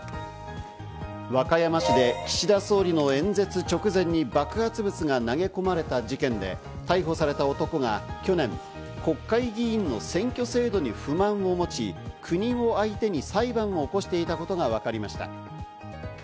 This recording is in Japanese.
和歌山市で岸田総理の演説直前に爆発物が投げ込まれた事件で、逮捕された男が去年、国会議員の選挙制度に不満を持ち、国を相手に裁判を起こしていたことがわかりました。